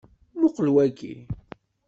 Muqqel waki.